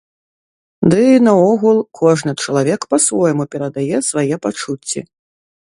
Ды, наогул, кожны чалавек па-свойму перадае свае пачуцці.